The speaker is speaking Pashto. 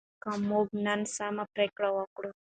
که موږ نن سمه پریکړه وکړو.